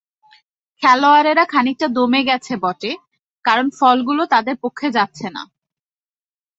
খেলোয়াড়েরা খানিকটা দমে গেছে বটে, কারণ ফলগুলো তাদের পক্ষে যাচ্ছে না।